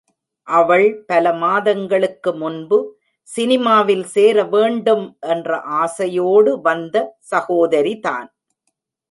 அவள் பல மாதங்களுக்கு முன்பு சினிமாவில் சேர வேண்டும் என்ற ஆசையோடு வந்த சகோதரிதான்.